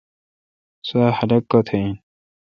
سوا خلق کوتھ این۔